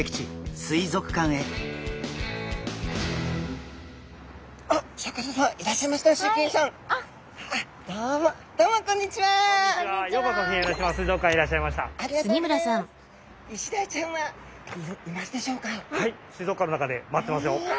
水族館の中で待ってますよ。